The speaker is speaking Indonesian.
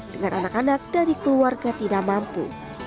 dengan anak anak dari keluarga tidak mampu